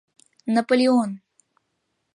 «Наполеон!»